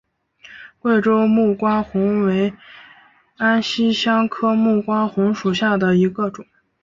贵州木瓜红为安息香科木瓜红属下的一个种。